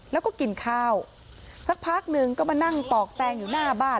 แล้วก็กินข้าวสักพักหนึ่งก็มานั่งปอกแตงอยู่หน้าบ้าน